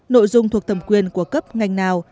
nội dung thuộc thẩm quyền của cấp ngành nào